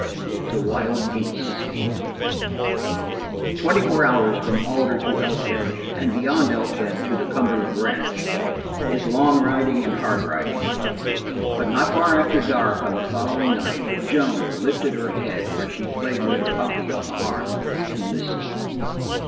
The Wild Geese Twenty four hours from Alder to Elkhead, and beyond Elkhead to the Cumberland ranch, is long riding and hard riding, but not far after dark on the following night, Joan lifted her head, where she played with the puppy on the hearth, and listened.